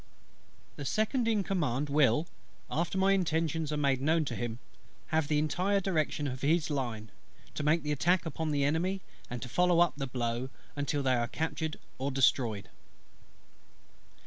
The Second in Command will, after my intentions are made known to him, have the entire direction of his line; to make the attack upon the Enemy, and to follow up the blow until they are captured or destroyed.